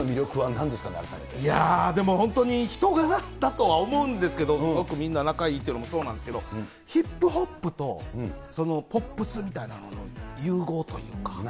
いやー、でも本当に人柄だとは思うんですけど、すごくみんな仲いいというのもそうなんですけど、ヒップホップとポップスみたいなのの融合というか。